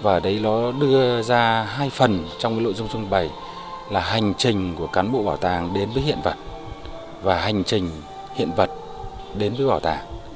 và ở đây nó đưa ra hai phần trong lội dung trung bày là hành trình của cán bộ bảo tàng đến với hiện vật và hành trình hiện vật đến với bảo tàng